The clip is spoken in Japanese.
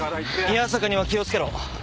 宮坂には気を付けろ。